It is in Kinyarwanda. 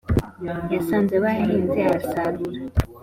yasanze bahinze arasarura